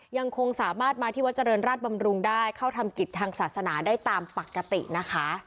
ยังคงสามารถมาที่วัดเจริญราชบำรุงได้เข้าทำกิจทางศาสนาได้ตามปกตินะคะ